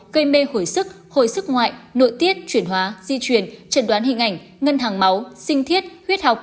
cây mê hồi sức hồi sức ngoại nội tiết chuyển hóa di chuyển chẩn đoán hình ảnh ngân hàng máu sinh thiết huyết học